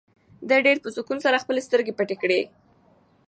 ده په ډېر سکون سره خپلې سترګې پټې کړې.